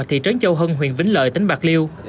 thị trấn châu hưng huyền vĩnh lợi tính bạc liêu